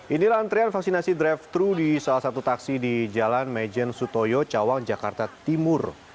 inilah antrian vaksinasi drive thru di salah satu taksi di jalan mejen sutoyo cawang jakarta timur